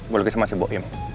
gua lagi sama si bu im